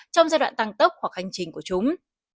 trong giai đoạn tăng tốc hoặc hành trình của chúng